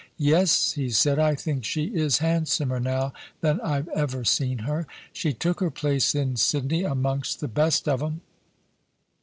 * Yes,' he said, * I think she is handsomer now than IVe ever seen her. She took her place in Sydney amongst the best of 'em.'